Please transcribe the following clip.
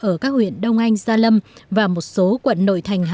ở các huyện đông anh gia lâm và một số quận nội thành hà nội